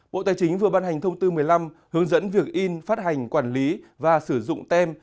bộ tài chính vừa ban hành thông tư một mươi năm hướng dẫn việc in phát hành quản lý và sử dụng tem